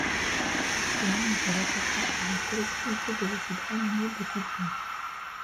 Ces noms ne se réfèrent pas à la sélectivité de l'acide aminé de coupure.